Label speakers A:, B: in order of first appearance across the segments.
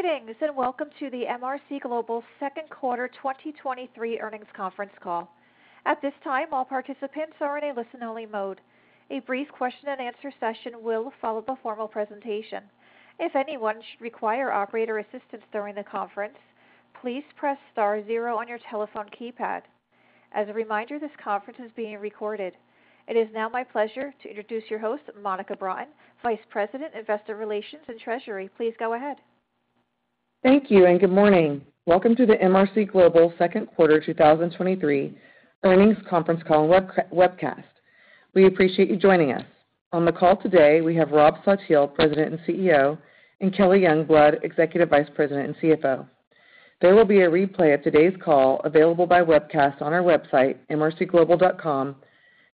A: Greetings, and welcome to the MRC Global second quarter 2023 earnings conference call. At this time, all participants are in a listen-only mode. A brief question-and-answer session will follow the formal presentation. If anyone should require operator assistance during the conference, please press Star zero on your telephone keypad. As a reminder, this conference is being recorded. It is now my pleasure to introduce your host, Monica Broughton, Vice President, Investor Relations and Treasury. Please go ahead.
B: Thank you, and good morning. Welcome to the MRC Global second quarter 2023 earnings conference call and webcast. We appreciate you joining us. On the call today, we have Rob Saltiel, President and CEO, and Kelly Youngblood, Executive Vice President and CFO. There will be a replay of today's call available by webcast on our website, mrcglobal.com,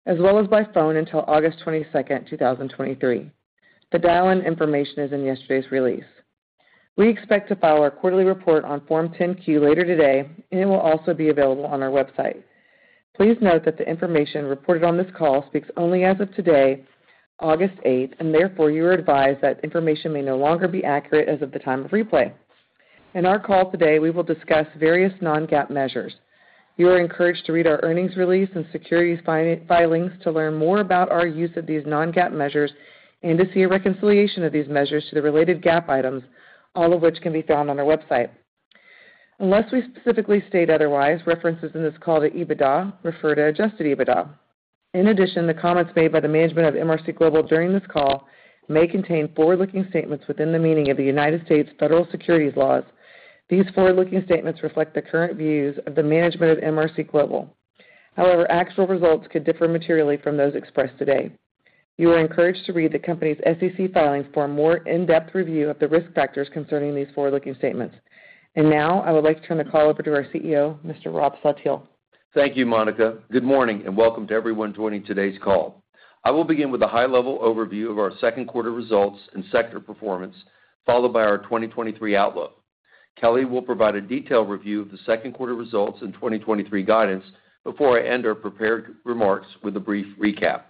B: as well as by phone until August 22nd, 2023. The dial-in information is in yesterday's release. We expect to file our quarterly report on Form 10-Q later today, and it will also be available on our website. Please note that the information reported on this call speaks only as of today, August 8th, and therefore, you are advised that information may no longer be accurate as of the time of replay. In our call today, we will discuss various non-GAAP measures. You are encouraged to read our earnings release and securities filing to learn more about our use of these non-GAAP measures and to see a reconciliation of these measures to the related GAAP items, all of which can be found on our website. Unless we specifically state otherwise, references in this call to EBITDA refer to adjusted EBITDA. In addition, the comments made by the management of MRC Global during this call may contain forward-looking statements within the meaning of the United States Federal Securities laws. These forward-looking statements reflect the current views of the management of MRC Global. However, actual results could differ materially from those expressed today. You are encouraged to read the company's SEC filings for a more in-depth review of the risk factors concerning these forward-looking statements. Now, I would like to turn the call over to our CEO, Mr. Rob Saltiel.
C: Thank you, Monica. Good morning, and welcome to everyone joining today's call. I will begin with a high-level overview of our second quarter results and sector performance, followed by our 2023 outlook. Kelly will provide a detailed review of the second quarter results and 2023 guidance before I end our prepared remarks with a brief recap.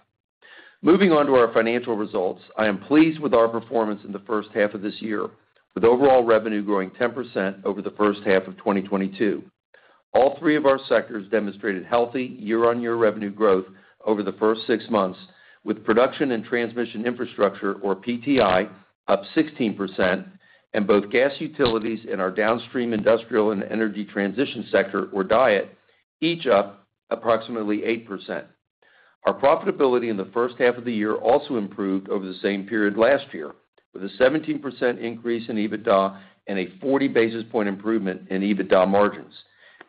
C: Moving on to our financial results, I am pleased with our performance in the first half of this year, with overall revenue growing 10% over the first half of 2022. All three of our sectors demonstrated healthy year-on-year revenue growth over the first six months, with production and transmission infrastructure, or PTI, up 16% and both Gas Utilities and our downstream industrial and energy transition sector, or DIET, each up approximately 8%. Our profitability in the first half of the year also improved over the same period last year, with a 17% increase in EBITDA and a 40 basis point improvement in EBITDA margins.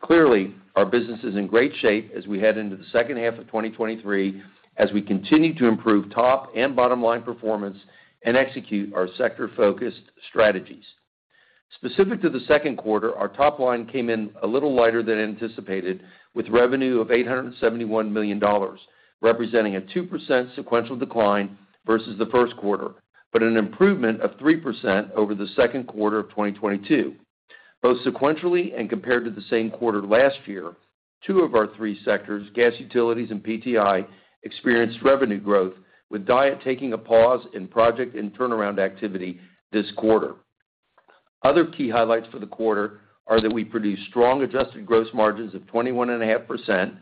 C: Clearly, our business is in great shape as we head into the second half of 2023, as we continue to improve top and bottom-line performance and execute our sector-focused strategies. Specific to the second quarter, our top line came in a little lighter than anticipated, with revenue of $871 million, representing a 2% sequential decline versus the first quarter, but an improvement of 3% over the second quarter of 2022. Both sequentially and compared to the same quarter last year, two of our three sectors, gas, utilities, and PTI, experienced revenue growth, with DIET taking a pause in project and turnaround activity this quarter. Other key highlights for the quarter are that we produced strong adjusted gross margins of 21.5%,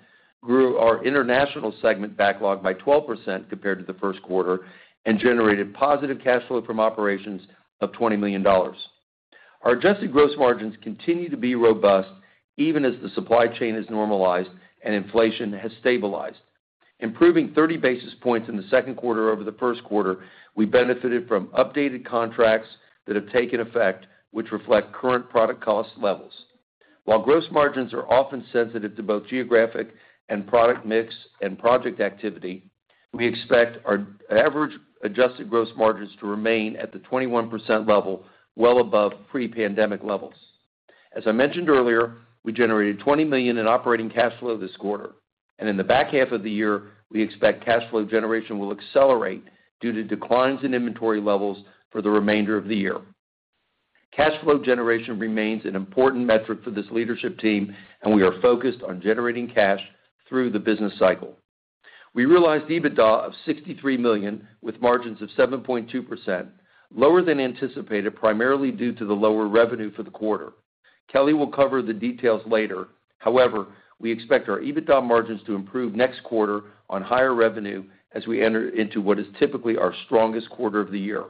C: grew our International segment backlog by 12% compared to the first quarter, and generated positive cash flow from operations of $20 million. Our adjusted gross margins continue to be robust, even as the supply chain has normalized and inflation has stabilized. Improving 30 basis points in the second quarter over the first quarter, we benefited from updated contracts that have taken effect, which reflect current product cost levels. While gross margins are often sensitive to both geographic and product mix and project activity, we expect our average adjusted gross margins to remain at the 21% level, well above pre-pandemic levels. As I mentioned earlier, we generated $20 million in operating cash flow this quarter, and in the back half of the year, we expect cash flow generation will accelerate due to declines in inventory levels for the remainder of the year. Cash flow generation remains an important metric for this leadership team, and we are focused on generating cash through the business cycle. We realized EBITDA of $63 million, with margins of 7.2%, lower than anticipated, primarily due to the lower revenue for the quarter. Kelly will cover the details later. However, we expect our EBITDA margins to improve next quarter on higher revenue as we enter into what is typically our strongest quarter of the year.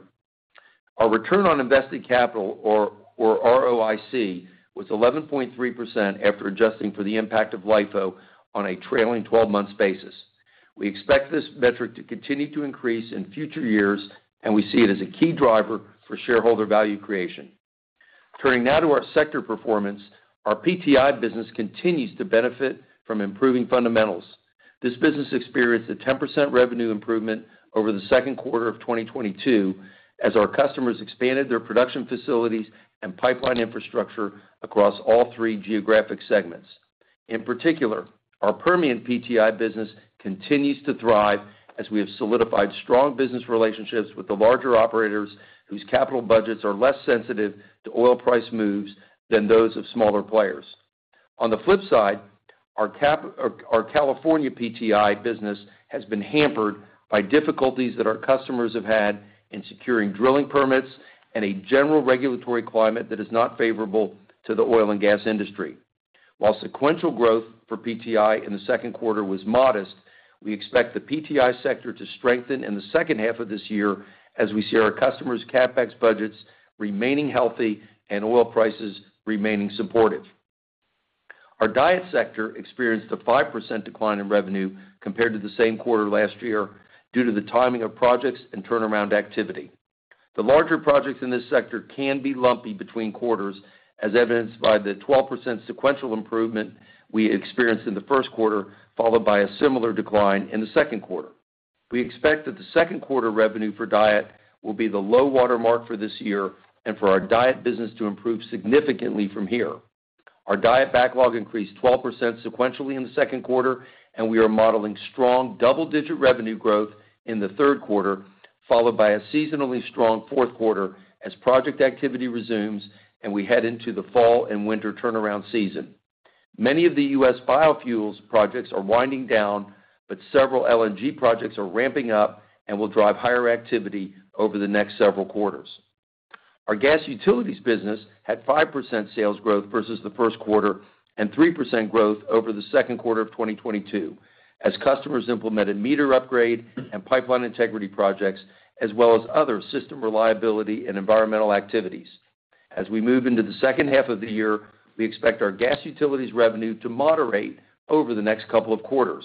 C: Our return on invested capital, or ROIC, was 11.3% after adjusting for the impact of LIFO on a trailing 12-month basis. We expect this metric to continue to increase in future years, and we see it as a key driver for shareholder value creation. Turning now to our sector performance. Our PTI business continues to benefit from improving fundamentals. This business experienced a 10% revenue improvement over the second quarter of 2022 as our customers expanded their production facilities and pipeline infrastructure across all three geographic segments. In particular, our Permian PTI business continues to thrive as we have solidified strong business relationships with the larger operators whose capital budgets are less sensitive to oil price moves than those of smaller players. On the flip side, our California PTI business has been hampered by difficulties that our customers have had in securing drilling permits and a general regulatory climate that is not favorable to the oil and gas industry. While sequential growth for PTI in the second quarter was modest, we expect the PTI sector to strengthen in the second half of this year as we see our customers' CapEx budgets remaining healthy and oil prices remaining supportive. Our DIET sector experienced a 5% decline in revenue compared to the same quarter last year due to the timing of projects and turnaround activity. The larger projects in this sector can be lumpy between quarters, as evidenced by the 12% sequential improvement we experienced in the first quarter, followed by a similar decline in the second quarter. We expect that the second quarter revenue for DIET will be the low watermark for this year, and for our DIET business to improve significantly from here. Our DIET backlog increased 12% sequentially in the second quarter, we are modeling strong double-digit revenue growth in the third quarter, followed by a seasonally strong fourth quarter as project activity resumes and we head into the fall and winter turnaround season. Many of the U.S. biofuels projects are winding down, several LNG projects are ramping up and will drive higher activity over the next several quarters. Our Gas Utilities business had 5% sales growth versus the first quarter, 3% growth over the second quarter of 2022, as customers implemented meter upgrade and pipeline integrity projects, as well as other system reliability and environmental activities. As we move into the second half of the year, we expect our Gas Utilities revenue to moderate over the next couple of quarters.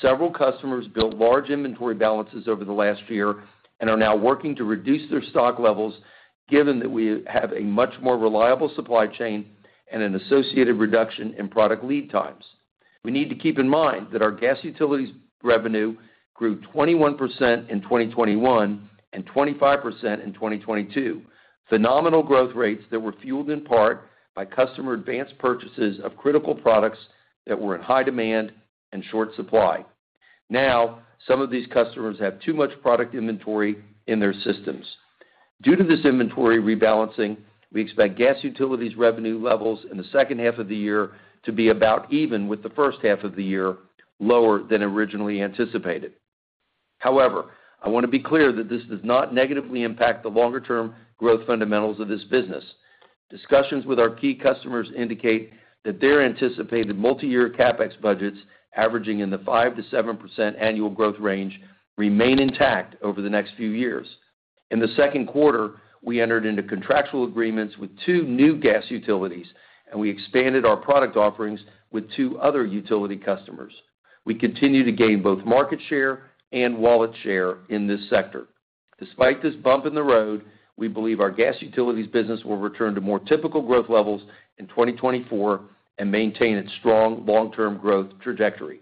C: Several customers built large inventory balances over the last year and are now working to reduce their stock levels, given that we have a much more reliable supply chain and an associated reduction in product lead times. We need to keep in mind that our Gas Utilities revenue grew 21% in 2021 and 25% in 2022. Phenomenal growth rates that were fueled in part by customer advanced purchases of critical products that were in high demand and short supply. Now, some of these customers have too much product inventory in their systems. Due to this inventory rebalancing, we expect Gas Utilities revenue levels in the second half of the year to be about even with the first half of the year, lower than originally anticipated. However, I want to be clear that this does not negatively impact the longer-term growth fundamentals of this business. Discussions with our key customers indicate that their anticipated multi-year CapEx budgets, averaging in the 5%-7% annual growth range, remain intact over the next few years. In the second quarter, we entered into contractual agreements with two new Gas Utilities, and we expanded our product offerings with two other utility customers. We continue to gain both market share and wallet share in this sector. Despite this bump in the road, we believe our Gas Utilities business will return to more typical growth levels in 2024 and maintain its strong long-term growth trajectory.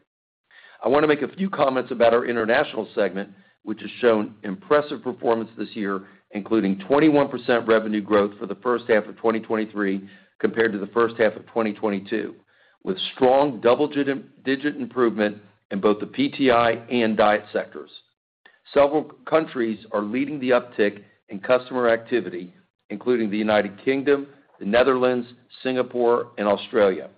C: I want to make a few comments about our International segment, which has shown impressive performance this year, including 21% revenue growth for the first half of 2023 compared to the first half of 2022, with strong double-digit improvement in both the PTI and PVF sectors. Several countries are leading the uptick in customer activity, including the United Kingdom, the Netherlands, Singapore, and Australia.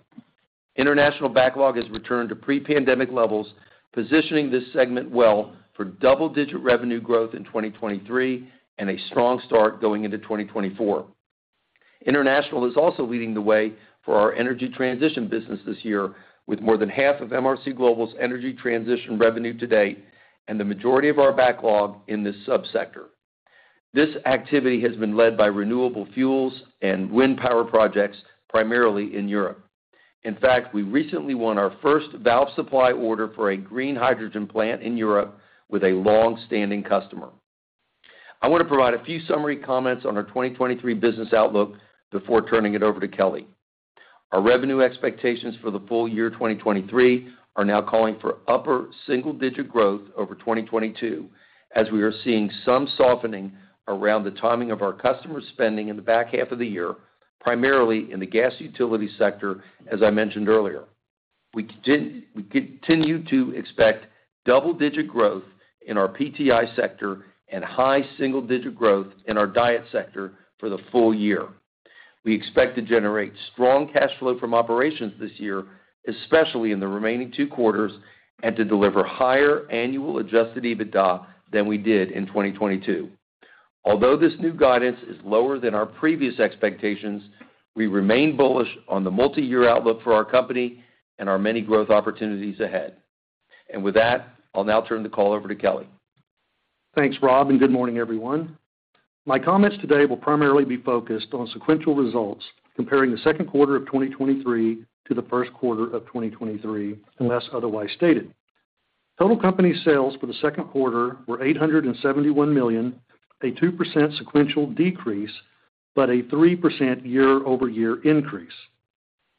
C: International backlog has returned to pre-pandemic levels, positioning this segment well for double-digit revenue growth in 2023 and a strong start going into 2024. International is also leading the way for our energy transition business this year, with more than half of MRC Global's energy transition revenue to date, and the majority of our backlog in this subsector. This activity has been led by renewable fuels and wind power projects, primarily in Europe. In fact, we recently won our first valve supply order for a green hydrogen plant in Europe with a long-standing customer. I want to provide a few summary comments on our 2023 business outlook before turning it over to Kelly. Our revenue expectations for the full-year 2023 are now calling for upper single-digit growth over 2022, as we are seeing some softening around the timing of our customer spending in the back half of the year, primarily in the Gas Utility sector, as I mentioned earlier. We continue to expect double-digit growth in our PTI sector and high single-digit growth in our DIET sector for the full-year. We expect to generate strong cash flow from operations this year, especially in the remaining 2 quarters, and to deliver higher annual adjusted EBITDA than we did in 2022. This new guidance is lower than our previous expectations, we remain bullish on the multi-year outlook for our company and our many growth opportunities ahead. With that, I'll now turn the call over to Kelly.
D: Thanks, Rob. Good morning, everyone. My comments today will primarily be focused on sequential results, comparing the second quarter of 2023 to the first quarter of 2023, unless otherwise stated. Total company sales for the second quarter were $871 million, a 2% sequential decrease, but a 3% year-over-year increase.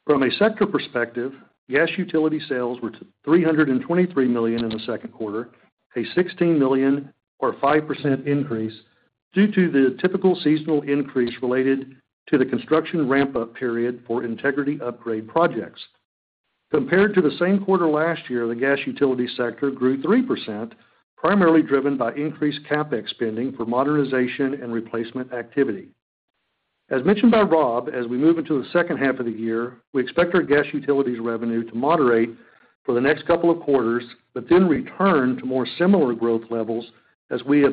D: From a sector perspective, Gas Utility sales were $323 million in the second quarter, a $16 million, or 5% increase, due to the typical seasonal increase related to the construction ramp-up period for integrity upgrade projects. compared to the same quarter last year, the Gas Utility sector grew 3%, primarily driven by increased CapEx spending for modernization and replacement activity. As mentioned by Rob, as we move into the second half of the year, we expect our Gas Utilities revenue to moderate for the next couple of quarters, but then return to more similar growth levels as we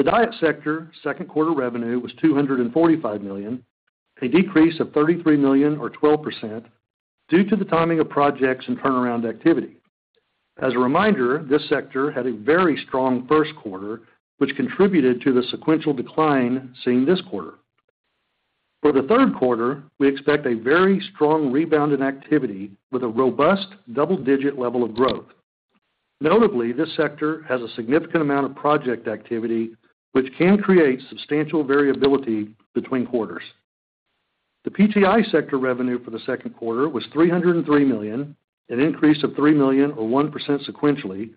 D: have experienced historically. The DIET sector's second quarter revenue was $245 million, a decrease of $33 million or 12%, due to the timing of projects and turnaround activity. As a reminder, this sector had a very strong first quarter, which contributed to the sequential decline seen this quarter. For the third quarter, we expect a very strong rebound in activity with a robust double-digit level of growth. Notably, this sector has a significant amount of project activity, which can create substantial variability between quarters. The PTI sector revenue for the second quarter was $303 million, an increase of $3 million or 1% sequentially,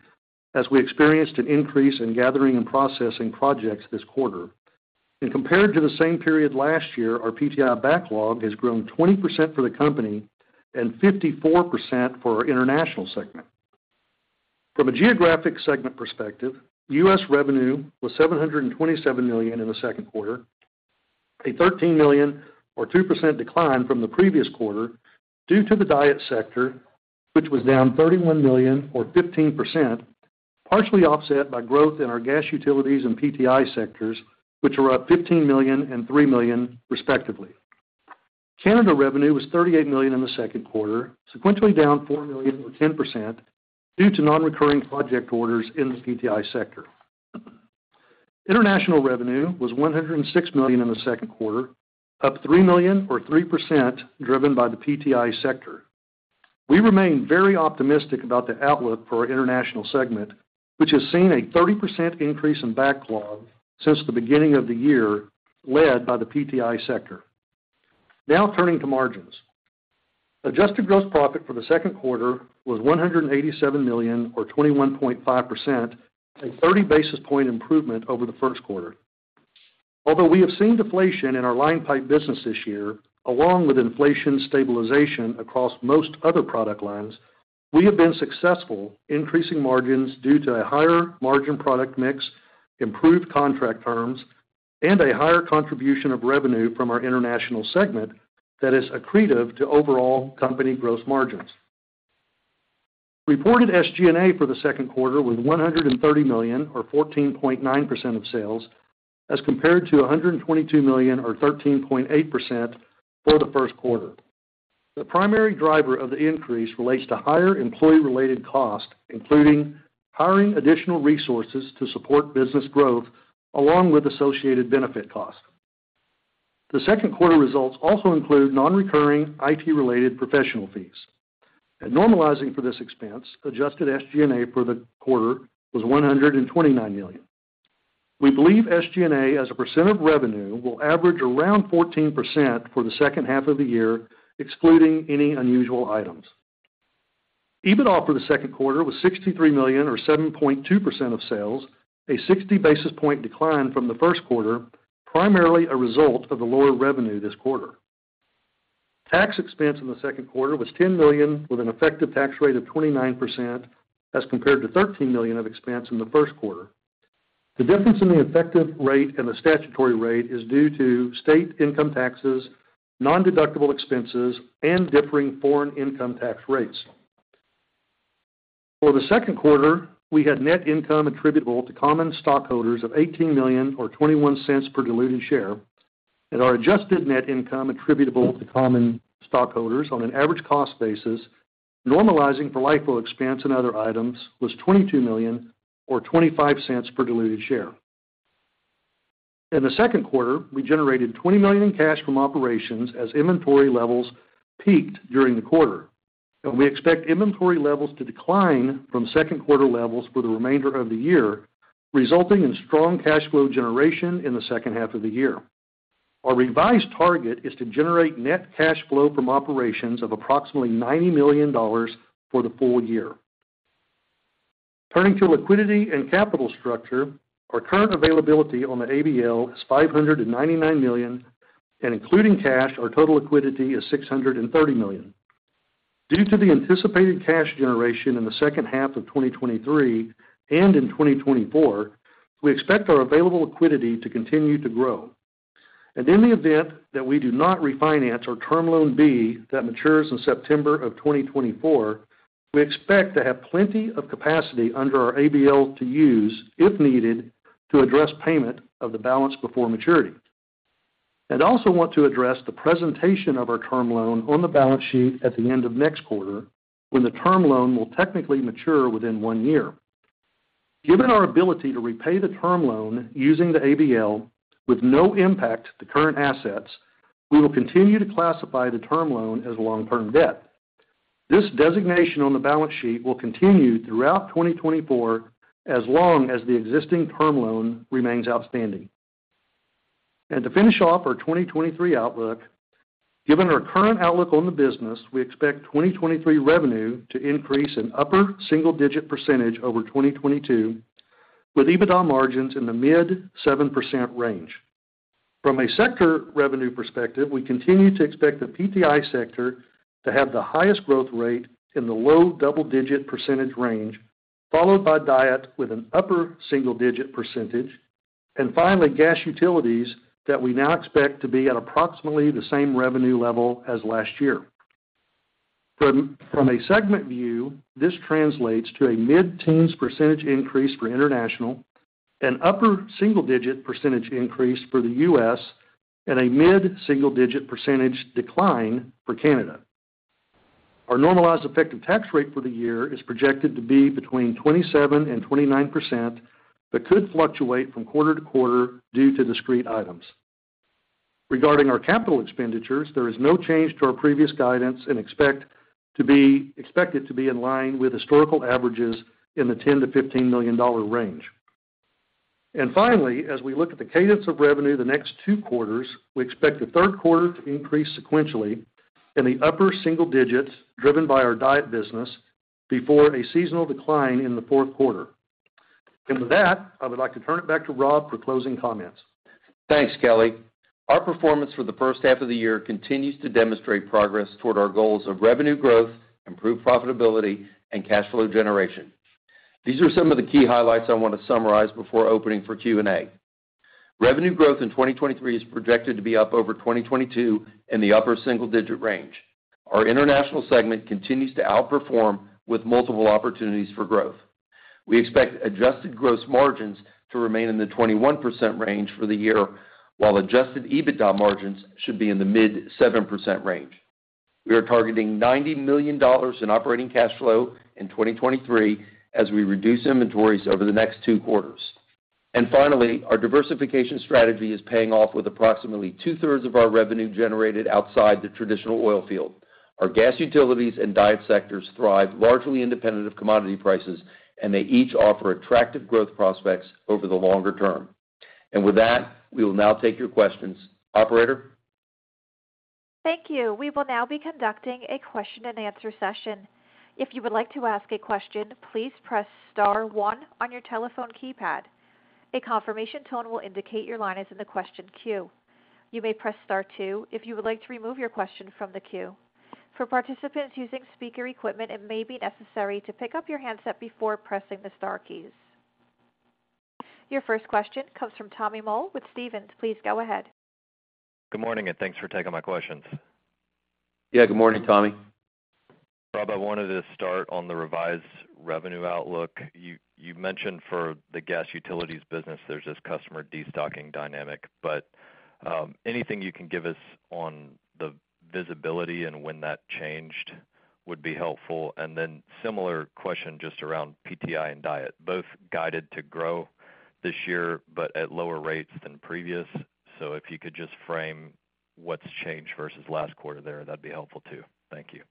D: as we experienced an increase in gathering and processing projects this quarter. Compared to the same period last year, our PTI backlog has grown 20% for the company and 54% for our international segment. From a geographic segment perspective, U.S. revenue was $727 million in the second quarter, a $13 million or 2% decline from the previous quarter due to the DIET sector, which was down $31 million or 15%, partially offset by growth in our Gas Utilities and PTI sectors, which were up $15 million and $3 million, respectively. Canada revenue was $38 million in the second quarter, sequentially down $4 million or 10%, due to nonrecurring project orders in the PTI sector. International revenue was $106 million in the second quarter, up $3 million or 3%, driven by the PTI sector. We remain very optimistic about the outlook for our International segment, which has seen a 30% increase in backlog since the beginning of the year, led by the PTI sector. Now, turning to margins. Adjusted gross profit for the second quarter was $187 million or 21.5%, a 30 basis point improvement over the first quarter. Although we have seen deflation in our Line Pipe business this year, along with inflation stabilization across most other product lines, we have been successful increasing margins due to a higher margin product mix, improved contract terms, and a higher contribution of revenue from our International segment that is accretive to overall company gross margins. Reported SG&A for the second quarter was $130 million or 14.9% of sales, as compared to $122 million or 13.8% for the first quarter. The primary driver of the increase relates to higher employee-related costs, including hiring additional resources to support business growth, along with associated benefit costs. The second quarter results also include nonrecurring IT-related professional fees. Normalizing for this expense, adjusted SG&A for the quarter was $129 million. We believe SG&A, as a percent of revenue, will average around 14% for the second half of the year, excluding any unusual items. EBITDA for the second quarter was $63 million or 7.2% of sales, a 60 basis point decline from the first quarter, primarily a result of the lower revenue this quarter. Tax expense in the second quarter was $10 million, with an effective tax rate of 29%, as compared to $13 million of expense in the first quarter. The difference in the effective rate and the statutory rate is due to state income taxes, nondeductible expenses, and differing foreign income tax rates. For the second quarter, we had net income attributable to common stockholders of $18 million or $0.21 per diluted share, and our adjusted net income attributable to common stockholders on an average cost basis, normalizing for LIFO expense and other items, was $22 million or $0.25 per diluted share. In the second quarter, we generated $20 million in cash from operations as inventory levels peaked during the quarter. We expect inventory levels to decline from second quarter levels for the remainder of the year, resulting in strong cash flow generation in the second half of the year. Our revised target is to generate net cash flow from operations of approximately $90 million for the full-year. Turning to liquidity and capital structure, our current availability on the ABL is $599 million, and including cash, our total liquidity is $630 million. Due to the anticipated cash generation in the second half of 2023 and in 2024, we expect our available liquidity to continue to grow. In the event that we do not refinance our term loan B that matures in September of 2024, we expect to have plenty of capacity under our ABL to use, if needed, to address payment of the balance before maturity. I'd also want to address the presentation of our term loan on the balance sheet at the end of next quarter, when the term loan will technically mature within one year. Given our ability to repay the term loan using the ABL with no impact to current assets, we will continue to classify the term loan as long-term debt. This designation on the balance sheet will continue throughout 2024, as long as the existing term loan remains outstanding. To finish off our 2023 outlook, given our current outlook on the business, we expect 2023 revenue to increase in upper single-digit percent over 2022. With EBITDA margins in the mid-7% range. From a sector revenue perspective, we continue to expect the PTI sector to have the highest growth rate in the low double-digit percentage range, followed by DIET with an upper single-digit percentage, and finally, Gas Utilities that we now expect to be at approximately the same revenue level as last year. From a segment view, this translates to a mid-teens percent increase for international, an upper single-digit % increase for the U.S., and a mid-single-digit percentage decline for Canada. Our normalized effective tax rate for the year is projected to be between 27% and 29%, but could fluctuate from quarter-to-quarter due to discrete items. Regarding our capital expenditures, there is no change to our previous guidance and expected to be in line with historical averages in the $10 million-$15 million range. Finally, as we look at the cadence of revenue the next two quarters, we expect the third quarter to increase sequentially in the upper single-digits, driven by our DIET business, before a seasonal decline in the fourth quarter. With that, I would like to turn it back to Rob for closing comments.
C: Thanks, Kelly. Our performance for the first half of the year continues to demonstrate progress toward our goals of revenue growth, improved profitability, and cash flow generation. These are some of the key highlights I want to summarize before opening for Q&A. Revenue growth in 2023 is projected to be up over 2022 in the upper single-digit range. Our International segment continues to outperform with multiple opportunities for growth. We expect adjusted gross margins to remain in the 21% range for the year, while adjusted EBITDA margins should be in the mid-7% range. We are targeting $90 million in operating cash flow in 2023 as we reduce inventories over the next two quarters. Finally, our diversification strategy is paying off with approximately two-thirds of our revenue generated outside the traditional oil field. Our Gas Utilities and DIET sectors thrive largely independent of commodity prices, and they each offer attractive growth prospects over the longer-term. With that, we will now take your questions. Operator?
A: Thank you. We will now be conducting a question-and-answer session. If you would like to ask a question, please press Star one on your telephone keypad. A confirmation tone will indicate your line is in the question queue. You may press Star two if you would like to remove your question from the queue. For participants using speaker equipment, it may be necessary to pick up your handset before pressing the star keys. Your first question comes from Tommy Moll with Stephens. Please go ahead.
E: Good morning, thanks for taking my questions.
C: Yeah, good morning, Tommy.
E: Rob, I wanted to start on the revised revenue outlook. You mentioned for the Gas Utilities business, there's this customer destocking dynamic, but anything you can give us on the visibility and when that changed would be helpful. Then similar question just around PTI and DIET, both guided to grow this year, but at lower rates than previous. If you could just frame what's changed versus last quarter there, that'd be helpful, too. Thank you.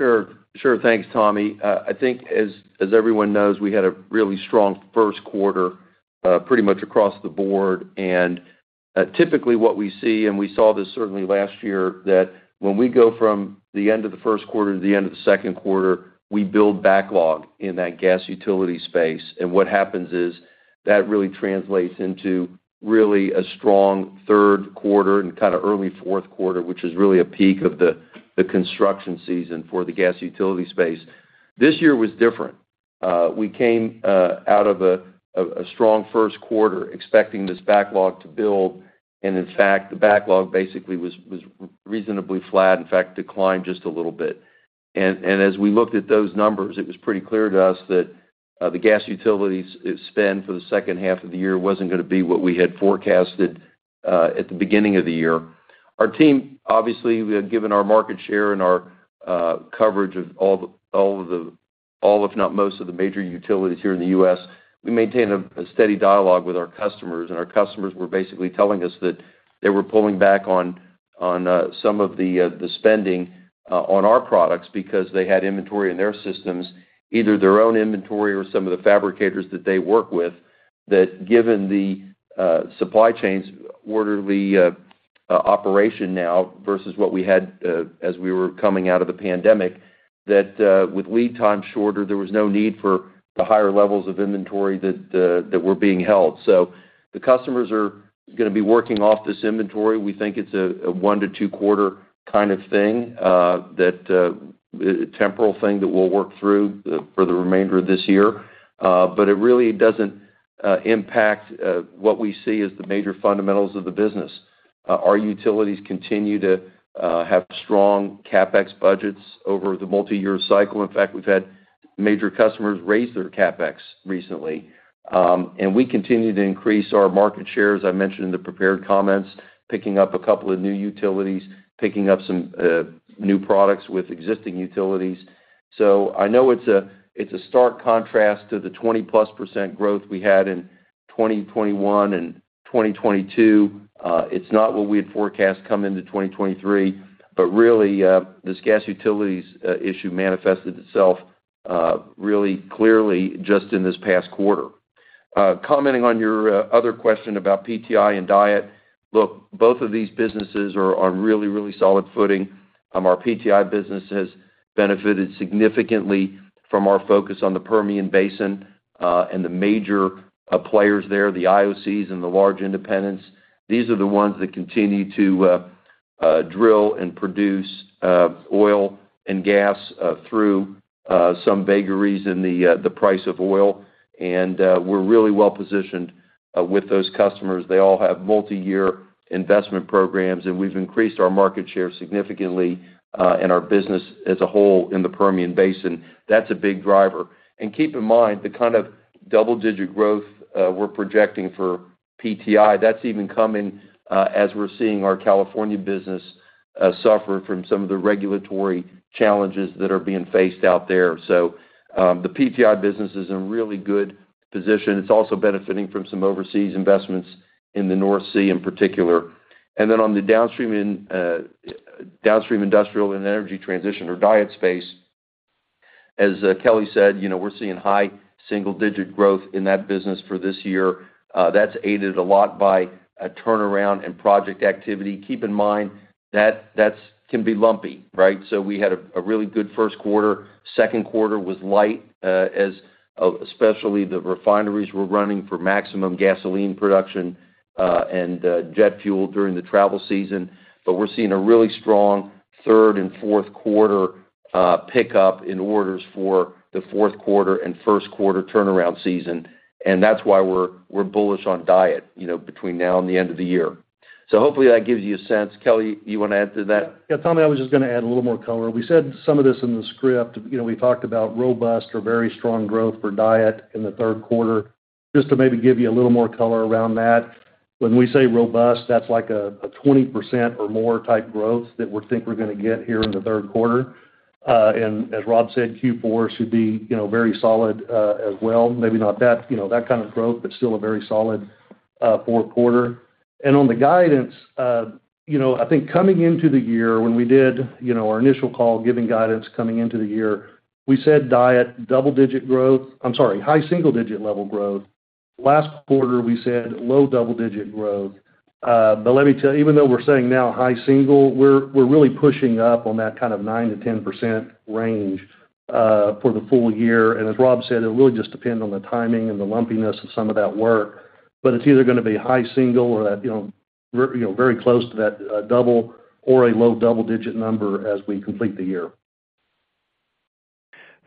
C: Sure. Sure. Thanks, Tommy. I think as, as everyone knows, we had a really strong first quarter, pretty much across the board. Typically what we see, and we saw this certainly last year, that when we go from the end of the first quarter to the end of the second quarter, we build backlog in that Gas Utility space. What happens is, that really translates into really a strong third quarter and kind of early fourth quarter, which is really a peak of the, the construction season for the Gas Utility space. This year was different. We came out of a strong first quarter expecting this backlog to build, and in fact, the backlog basically was, was reasonably flat, in fact, declined just a little bit. As we looked at those numbers, it was pretty clear to us that the Gas Utilities spend for the second half of the year wasn't going to be what we had forecasted at the beginning of the year. Our team, obviously, we had given our market share and our coverage of all, if not most, of the major utilities here in the U.S. We maintained a steady dialogue with our customers. Our customers were basically telling us that they were pulling back on some of the spending on our products because they had inventory in their systems, either their own inventory or some of the fabricators that they work with, that given the supply chains orderly operation now versus what we had as we were coming out of the pandemic, that with lead time shorter, there was no need for the higher levels of inventory that were being held. The customers are going to be working off this inventory. We think it's a one to two quarter kind of thing, that temporal thing that we'll work through for the remainder of this year. It really doesn't impact what we see as the major fundamentals of the business. Our utilities continue to have strong CapEx budgets over the multi-year cycle. In fact, we've had major customers raise their CapEx recently. We continue to increase our market share, as I mentioned in the prepared comments, picking up a couple of new utilities, picking up some new products with existing utilities. I know it's a, it's a stark contrast to the 20%+ growth we had in 2021 and 2022. It's not what we had forecast come into 2023, but really, this Gas Utilities issue manifested itself really clearly just in this past quarter. Commenting on your other question about PTI and DIET. Look, both of these businesses are on really, really solid footing. Our PTI business has benefited significantly from our focus on the Permian Basin, and the major players there, the IOCs and the large independents. These are the ones that continue to drill and produce oil and gas through some vagaries in the price of oil. We're really well positioned with those customers. They all have multi-year investment programs, and we've increased our market share significantly in our business as a whole in the Permian Basin. That's a big driver. Keep in mind, the kind of double-digit growth we're projecting for PTI, that's even coming as we're seeing our California business suffer from some of the regulatory challenges that are being faced out there. The PTI business is in really good position. It's also benefiting from some overseas investments in the North Sea, in particular. Then on the Downstream Industrial and Energy Transition, or DIET space, as Kelly said, you know, we're seeing high single-digit growth in that business for this year. That's aided a lot by a turnaround in project activity. Keep in mind, that that's can be lumpy, right? We had a really good first quarter. Second quarter was light, as especially the refineries were running for maximum gasoline production, and jet fuel during the travel season. We're seeing a really strong third and fourth quarter pickup in orders for the fourth quarter and first quarter turnaround season, and that's why we're bullish on DIET, you know, between now and the end of the year. Hopefully, that gives you a sense. Kelly, you wanna add to that?
D: Yeah, Tommy, I was just gonna add a little more color. We said some of this in the script. You know, we talked about robust or very strong growth for DIET in the third quarter. Just to maybe give you a little more color around that, when we say robust, that's like a 20% or more type growth that we think we're gonna get here in the third quarter. As Rob said, Q4 should be, you know, very solid as well. Maybe not that, you know, that kind of growth, but still a very solid fourth quarter. On the guidance, you know, I think coming into the year, when we did, you know, our initial call, giving guidance coming into the year, we said, DIET, double digit growth... I'm sorry, high single-digit level growth. Last quarter, we said low double-digit growth. Let me tell you, even though we're saying now high single, we're, we're really pushing up on that kind of 9%-10% range for the full-year. As Rob said, it really just depend on the timing and the lumpiness of some of that work. It's either gonna be high single or that, you know, you know, very close to that double or a low double-digit number as we complete the year.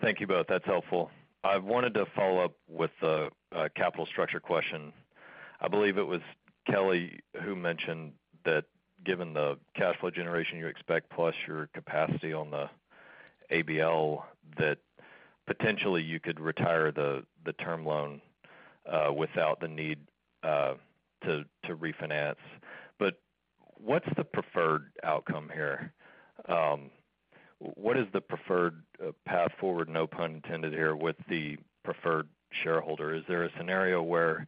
E: Thank you both. That's helpful. I wanted to follow up with a, a capital structure question. I believe it was Kelly who mentioned that given the cash flow generation you expect, plus your capacity on the ABL, that potentially you could retire the, the term loan without the need to refinance. What's the preferred outcome here? What is the preferred path forward, no pun intended here, with the preferred shareholder? Is there a scenario where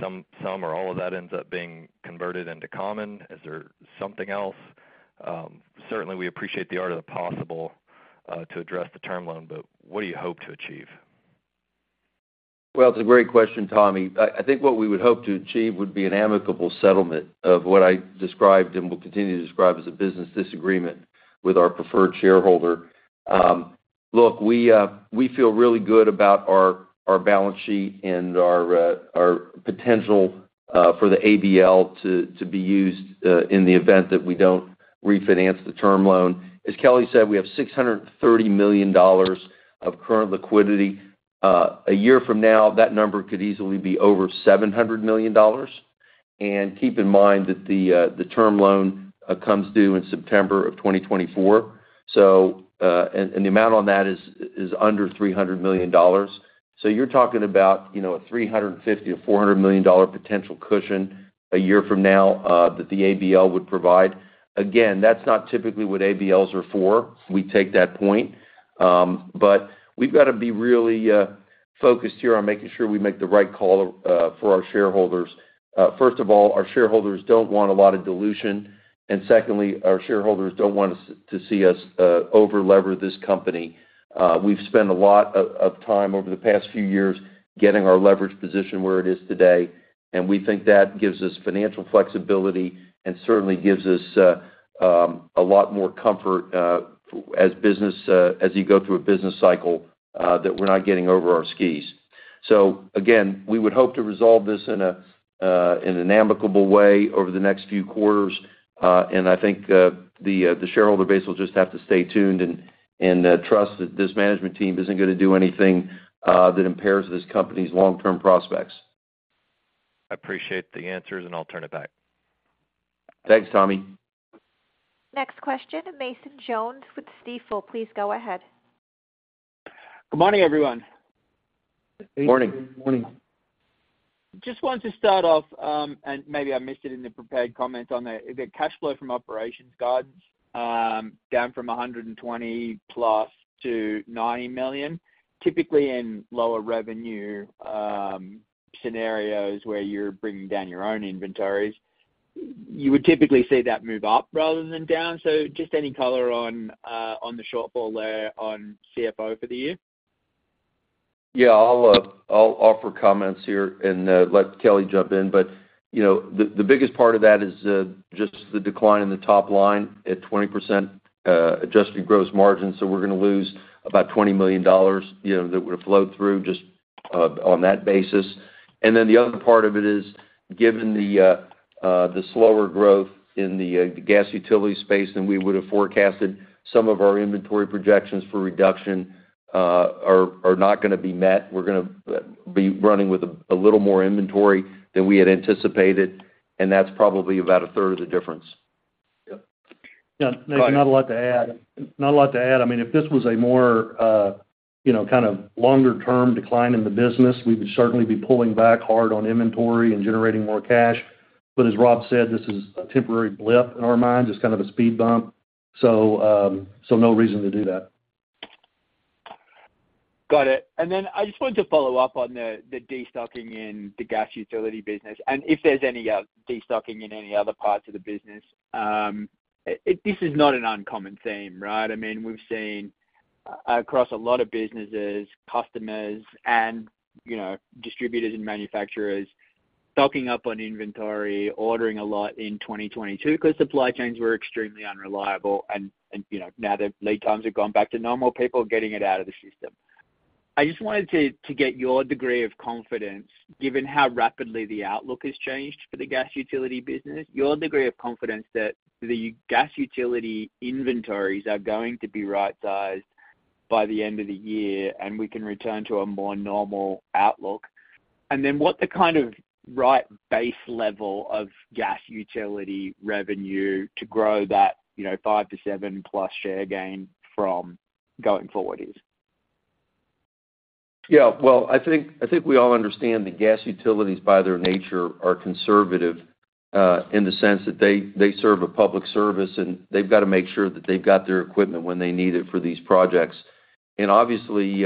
E: some, some or all of that ends up being converted into common? Is there something else? Certainly, we appreciate the art of the possible to address the term loan, but what do you hope to achieve?
C: Well, it's a great question, Tommy. I, I think what we would hope to achieve would be an amicable settlement of what I described and will continue to describe as a business disagreement with our preferred shareholder. Look, we feel really good about our, our balance sheet and our, our potential for the ABL to be used in the event that we don't refinance the term loan. As Kelly said, we have $630 million of current liquidity. A year from now, that number could easily be over $700 million. Keep in mind that the term loan comes due in September of 2024. The amount on that is under $300 million. about, a $350 million-$400 million potential cushion a year from now that the ABL would provide. Again, that's not typically what ABLs are for. We take that point. But we've got to be really focused here on making sure we make the right call for our shareholders. First of all, our shareholders don't want a lot of dilution, and secondly, our shareholders don't want us to see us over-lever this company. We've spent a lot of time over the past few years getting our leverage position where it is today, and we think that gives us financial flexibility and certainly gives us a lot more comfort as business as you go through a business cycle that we're not getting over our skis. Again, we would hope to resolve this in an amicable way over the next few quarters. I think, the shareholder base will just have to stay tuned and trust that this management team isn't gonna do anything that impairs this company's long-term prospects.
E: I appreciate the answers, and I'll turn it back.
C: Thanks, Tommy.
A: Next question, Nathan Jones with Stifel. Please go ahead.
F: Good morning, everyone.
C: Morning.
D: Morning.
F: Just wanted to start off, maybe I missed it in the prepared comments on the cash flow from operations guidance, down from $120+ million-$90 million. Typically, in lower revenue, scenarios where you're bringing down your own inventories, you would typically see that move up rather than down. Just any color on the shortfall there on CFO for the year?
C: Yeah, I'll, I'll offer comments here and let Kelly jump in. You know, the biggest part of that is just the decline in the top line at 20% adjusted gross margin. We're gonna lose about $20 million, you know, that would have flowed through just on that basis. The other part of it is, given the slower growth in the Gas Utility space than we would have forecasted, some of our inventory projections for reduction, are not gonna be met. We're gonna be running with a little more inventory than we had anticipated, and that's probably about a third of the difference. Yep.
D: Yeah, not a lot to add. Not a lot to add. I mean, if this was a more, you know, kind of longer-term decline in the business, we would certainly be pulling back hard on inventory and generating more cash. As Rob said, this is a temporary blip in our mind, just kind of a speed bump. No reason to do that.
F: Got it. Then I just wanted to follow-up on the, the destocking in the Gas Utility business, and if there's any destocking in any other parts of the business. This is not an uncommon theme, right? I mean, we've seen across a lot of businesses, customers and, you know, distributors and manufacturers stocking up on inventory, ordering a lot in 2022, 'cause supply chains were extremely unreliable, and, and, you know, now that lead times have gone back to normal, people are getting it out of the system. I just wanted to, to get your degree of confidence, given how rapidly the outlook has changed for the Gas Utility business, your degree of confidence that the Gas Utility inventories are going to be right-sized by the end of the year, and we can return to a more normal outlook. Then what the kind of right base level of Gas Utility revenue to grow that, you know, 5%-7%+ share gain from going forward is?
C: Yeah, well, I think, I think we all understand that Gas Utilities, by their nature, are conservative, in the sense that they, they serve a public service, and they've got to make sure that they've got their equipment when they need it for these projects. Obviously,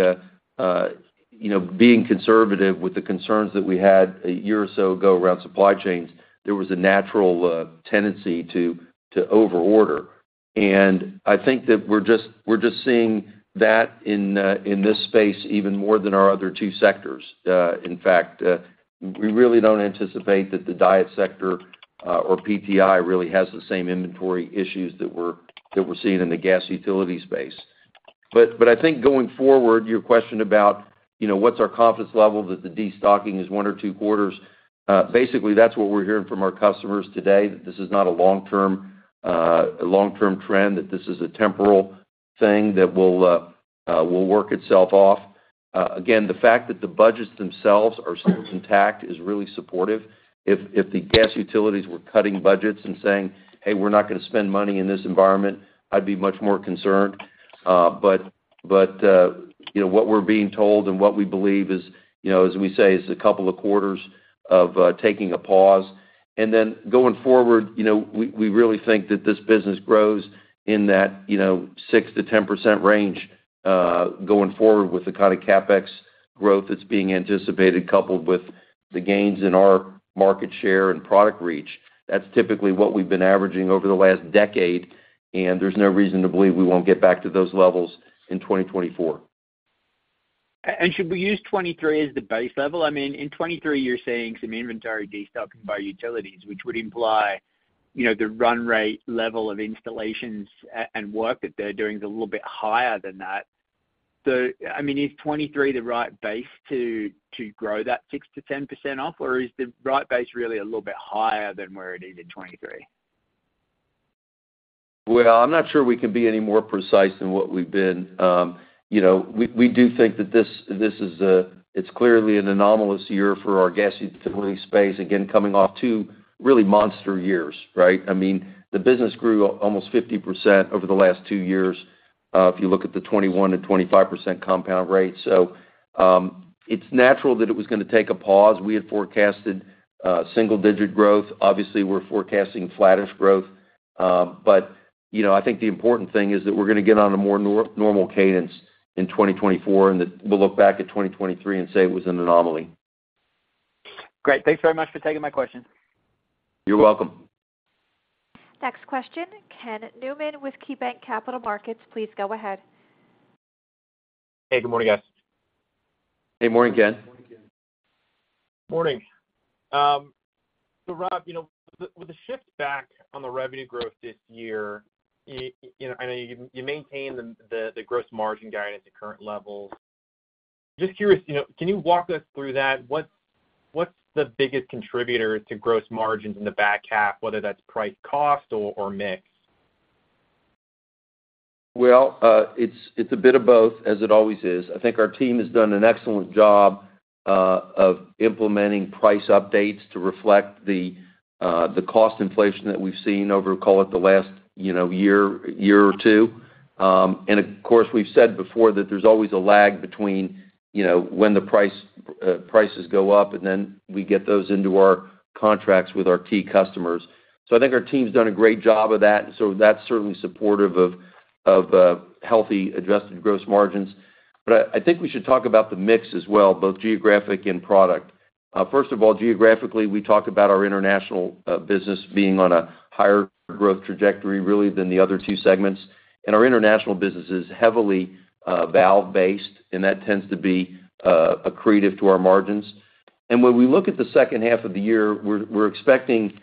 C: you know, being conservative with the concerns that we had a year or so ago around supply chains, there was a natural tendency to, to overorder. I think that we're just, we're just seeing that in, in this space even more than our other two sectors. In fact, we really don't anticipate that the DIET sector, or PTI really has the same inventory issues that we're, that we're seeing in the Gas Utility space. I think going forward, your question about, you know, what's our confidence level that the destocking is one or two quarters? Basically, that's what we're hearing from our customers today, that this is not a long-term, a long-term trend, that this is a temporal thing that will, will work itself off. Again, the fact that the budgets themselves are still intact is really supportive. If the Gas Utilities were cutting budgets and saying, Hey, we're not gonna spend money in this environment," I'd be much more concerned. You know, what we're being told and what we believe is, you know, as we say, is a couple of quarters of taking a pause. Going forward, you know, we, we really think that this business grows in that, you know, 6%-10% range, going forward with the kind of CapEx growth that's being anticipated, coupled with the gains in our market share and product reach. That's typically what we've been averaging over the last decade, and there's no reason to believe we won't get back to those levels in 2024.
F: Should we use 2023 as the base level? I mean, in 2023, you're seeing some inventory destocking by utilities, which would imply, you know, the run rate level of installations and work that they're doing is a little bit higher than that. I mean, is 23 the right base to, to grow that 6%-10% off, or is the right base really a little bit higher than where it is in 23?
C: Well, I'm not sure we can be any more precise than what we've been. You know, we, we do think that this, this is it's clearly an anomalous year for our Gas Utility space. Again, coming off two really monster years, right? I mean, the business grew almost 50% over the last two years, if you look at the 21% and 25% compound rate. It's natural that it was gonna take a pause. We had forecasted single-digit growth. Obviously, we're forecasting flattish growth. You know, I think the important thing is that we're gonna get on a more normal cadence in 2024, and that we'll look back at 2023 and say it was an anomaly.
F: Great. Thanks very much for taking my questions.
C: You're welcome.
D: Next question, Ken Newman with KeyBanc Capital Markets. Please go ahead.
G: Hey, good morning, guys.
C: Hey, morning, Ken.
G: Morning. Rob, you know, with, with the shift back on the revenue growth this year, you know, I know you, you maintain the gross margin guidance at current levels. Just curious, you know, can you walk us through that? What's, what's the biggest contributor to gross margins in the back half, whether that's price, cost, or mix?
C: Well, it's, it's a bit of both, as it always is. I think our team has done an excellent job of implementing price updates to reflect the cost inflation that we've seen over, call it the last, you know, year, year or 2. Of course, we've said before that there's always a lag between, you know, when the price, prices go up, and then we get those into our contracts with our key customers. I think our team's done a great job of that, and so that's certainly supportive of, of healthy adjusted gross margins. I, I think we should talk about the mix as well, both geographic and product. First of all, geographically, we talked about our international business being on a higher growth trajectory, really, than the other 2 segments. Our International business is heavily valve-based, and that tends to be accretive to our margins. When we look at the second half of the year, we're expecting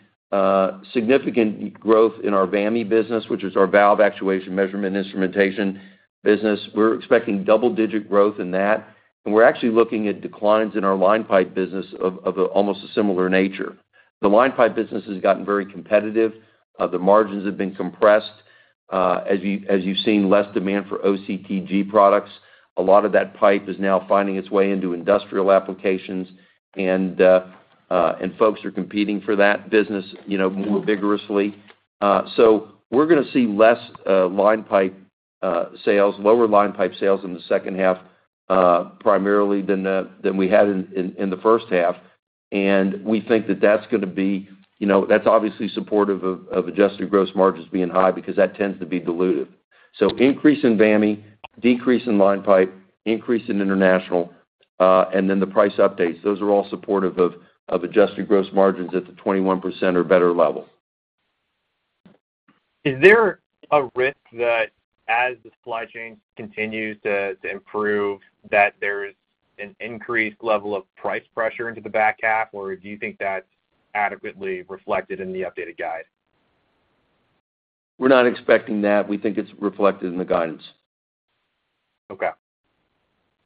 C: significant growth in our VAMI business, which is our valve actuation measurement instrumentation business. We're expecting double-digit growth in that, and we're actually looking at declines in our Line Pipe business of almost a similar nature. The line pipe business has gotten very competitive. The margins have been compressed. As you, as you've seen, less demand for OCTG products. A lot of that pipe is now finding its way into industrial applications, and folks are competing for that business, you know, more vigorously. We're gonna see less line pipe sales, lower line pipe sales in the second half, primarily than we had in the first half. We think that that's gonna be, you know, that's obviously supportive of adjusted gross margins being high because that tends to be dilutive. Increase in VAMI, decrease in line pipe, increase in international, and then the price updates. Those are all supportive of adjusted gross margins at the 21% or better level.
G: Is there a risk that as the supply chain continues to improve, that there is an increased level of price pressure into the back half? Do you think that's adequately reflected in the updated guide?
C: We're not expecting that. We think it's reflected in the guidance.
G: Okay.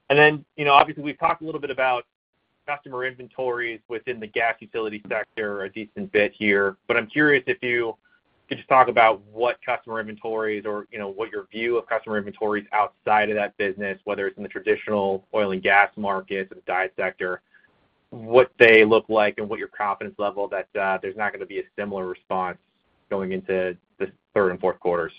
G: Then, you know, obviously, we've talked a little bit about customer inventories within the Gas Utility sector a decent bit here. I'm curious if you could just talk about what customer inventories or, you know, what your view of customer inventories outside of that business, whether it's in the traditional oil and gas markets or the DIET sector, what they look like and what your confidence level that there's not gonna be a similar response going into the third and fourth quarters.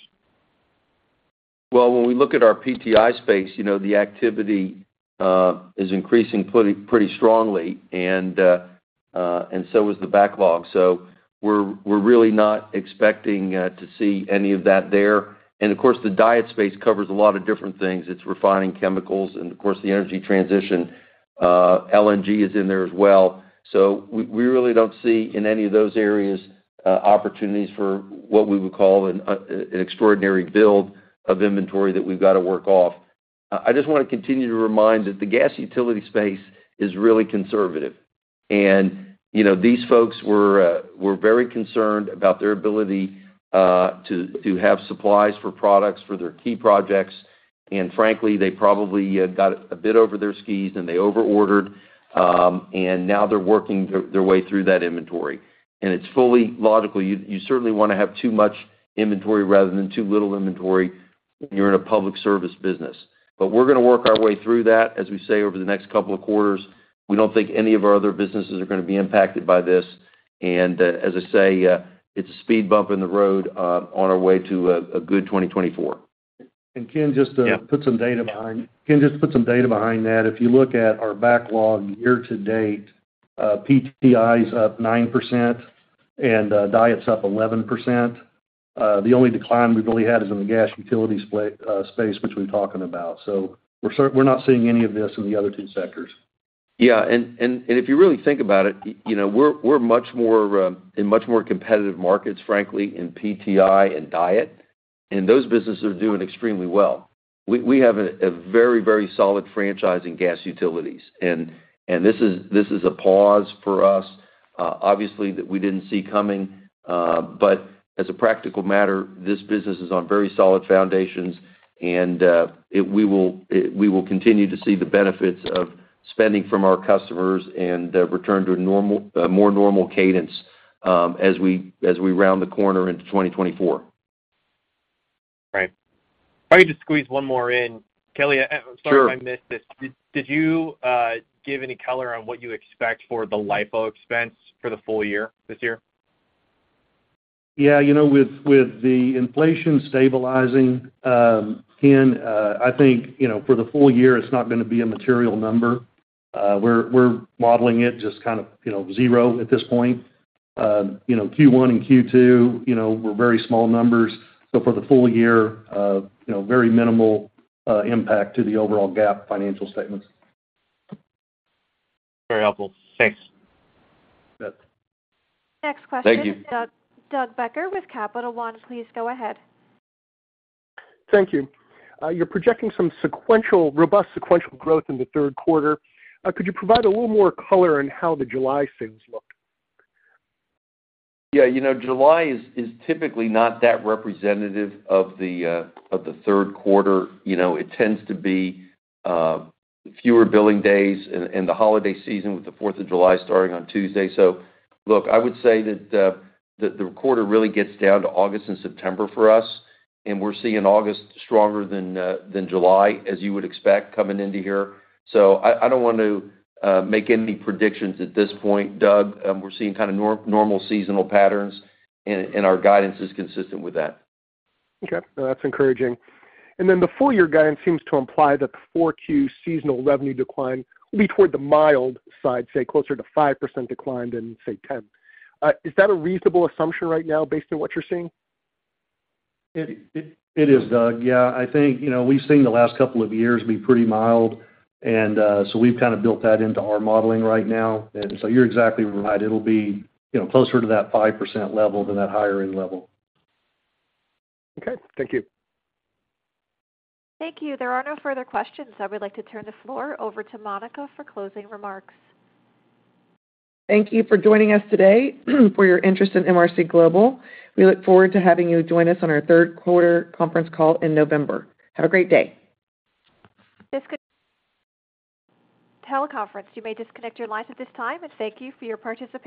C: Well, when we look at our PTI space, you know, the activity is increasing pretty, pretty strongly, and so is the backlog. We're, we're really not expecting to see any of that there. Of course, the DIET space covers a lot of different things. It's refining chemicals, and of course, the energy transition, LNG is in there as well. We, we really don't see, in any of those areas, opportunities for what we would call an extraordinary build of inventory that we've got to work off. I just wanna continue to remind that the Gas Utility space is really conservative. You know, these folks were very concerned about their ability to have supplies for products for their key projects, and frankly, they probably got a bit over their skis, and they overordered, and now they're working their way through that inventory. It's fully logical. You, you certainly wanna have too much inventory rather than too little inventory when you're in a public service business. We're gonna work our way through that, as we say, over the next couple of quarters. We don't think any of our other businesses are gonna be impacted by this, and as I say, it's a speed bump in the road on our way to a good 2024.
D: Ken, just to.
C: Yeah.
D: put some data behind. Ken, just to put some data behind that, if you look at our backlog year to date, PTI is up 9% and DIET's up 11%. The only decline we've really had is in the Gas Utility space, which we're talking about. We're not seeing any of this in the other two sectors.
C: If you really think about it, you know, we're, we're much more in much more competitive markets, frankly, in PTI and DIET. Those businesses are doing extremely well. We, we have a, a very, very solid franchise in Gas Utilities. This is, this is a pause for us, obviously, that we didn't see coming. As a practical matter, this business is on very solid foundations. We will, we will continue to see the benefits of spending from our customers and return to a more normal cadence as we, as we round the corner into 2024.
G: Right. If I could just squeeze one more in. Kelly-
C: Sure.
G: Sorry if I missed this. Did you give any color on what you expect for the LIFO expense for the full year, this year?
D: Yeah, you know, with, with the inflation stabilizing, Ken, I think, you know, for the full year, it's not gonna be a material number. We're, we're modeling it just kind of, you know, zero at this point. You know, Q1 and Q2, you know, were very small numbers. For the full year, you know, very minimal impact to the overall GAAP financial statements.
G: Very helpful. Thanks.
D: You bet.
A: Next question.
C: Thank you.
A: Doug, Doug Becker with Capital One, please go ahead.
H: Thank you. You're projecting some sequential, robust sequential growth in the third quarter. Could you provide a little more color on how the July things looked?
C: Yeah, you know, July is, is typically not that representative of the of the third quarter. You know, it tends to be fewer billing days and, and the holiday season, with the Fourth of July starting on Tuesday. Look, I would say that that the quarter really gets down to August and September for us, and we're seeing August stronger than than July, as you would expect, coming into here. I, I don't want to make any predictions at this point, Doug. We're seeing kind of normal seasonal patterns, and, and our guidance is consistent with that.
H: Okay. Well, that's encouraging. The full year guidance seems to imply that the 4Q seasonal revenue decline will be toward the mild side, say, closer to 5% decline than, say, 10%. Is that a reasonable assumption right now based on what you're seeing?
D: It, it, it is, Doug. Yeah, I think, you know, we've seen the last couple of years be pretty mild, and we've kind of built that into our modeling right now. You're exactly right. It'll be, you know, closer to that 5% level than that higher end level.
H: Okay, thank you.
A: Thank you. There are no further questions, I would like to turn the floor over to Monica for closing remarks.
B: Thank you for joining us today, for your interest in MRC Global. We look forward to having you join us on our third quarter conference call in November. Have a great day.
A: This teleconference, you may disconnect your lines at this time, and thank you for your participation.